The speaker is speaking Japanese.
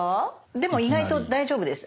でも意外と大丈夫です。